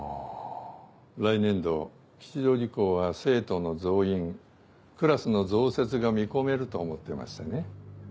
来年度吉祥寺校は生徒の増員クラスの増設が見込めると思ってましてね。